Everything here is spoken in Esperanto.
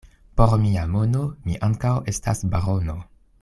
Por mia mono mi ankaŭ estas barono.